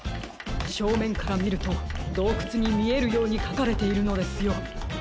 しょうめんからみるとどうくつにみえるようにかかれているのですよ。